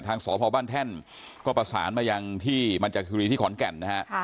ทางสพบแท่นก็ประสานมายังที่มันจักรดิขอยืนขอนแก่น